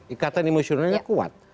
ikatan emosionalnya kuat